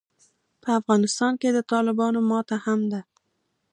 په افغانستان کې د طالبانو ماته هم ده.